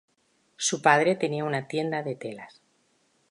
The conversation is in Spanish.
Su padre tenía una tienda de telas.